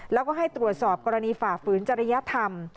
แล้วก็ให้ตรวจสอบกรณีฝ่าฝืนจริยธรรม